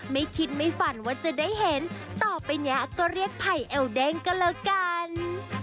ไม่คิดไม่ฝันว่าจะได้เห็นต่อไปเนี้ยก็เรียกไผ่เอลเด้งก็แล้วกัน